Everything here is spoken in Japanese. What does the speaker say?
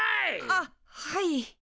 あっはい。